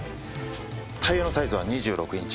タイヤのサイズは２６インチ。